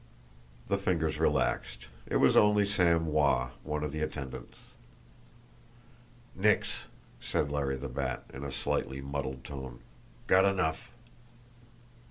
The fingers relaxed. It was only Sam Wah, one of the attendants. "Nix!" said Larry the Bat, in a slightly muddled tone. "Got enough."